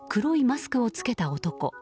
マスクを着けた男。